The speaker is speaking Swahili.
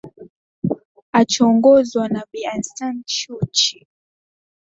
achoongozwa na bi anstan shuchi